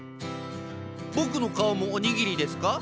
ボクの顔もおにぎりですか？